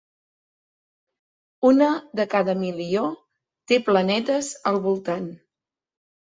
Una de cada milió té planetes al voltant.